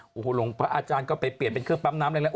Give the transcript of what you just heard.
หูหลวงพระอาจารย์ก็ไปเปลี่ยนเป็นเครื่องปั๊มน้ำแรง